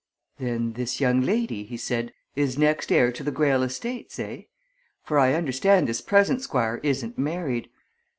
"Then this young lady," he said, "is next heir to the Greyle estates, eh? For I understand this present Squire isn't married.